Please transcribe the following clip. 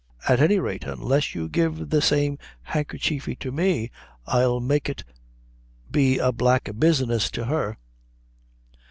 At any rate, unless you give the same handkerchy to me, I'll make it be a black business to her."